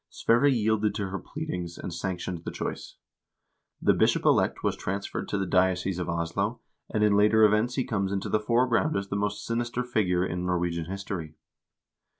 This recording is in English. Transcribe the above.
Sverre yielded to her pleadings, and sanctioned the choice. The bishop elect was transferred to the diocese of Oslo, and in later events he comes into the foreground as the most sinister figure in Norwegian history.